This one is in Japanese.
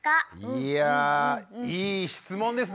いやいい質問ですね。